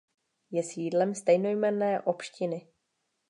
Je sídlem stejnojmenné obštiny.